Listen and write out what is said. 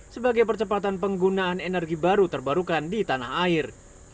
sebagai percepatan penggunaan energi baru terbarukan di tanah air